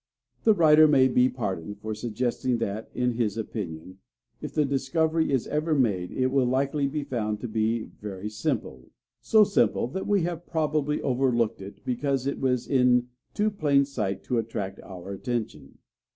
The writer may be pardoned for suggesting that, in his opinion, if the discovery is ever made it will likely be found to be very simple so simple that we have probably overlooked it because it was in too plain sight to attract our attention.